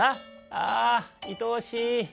ああいとおしい」。